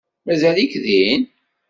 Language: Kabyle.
Mazal-ik din?